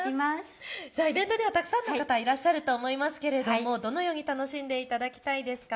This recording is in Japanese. イベントではたくさんの方、いらっしゃると思いますがどのように楽しんでいただきたいですか。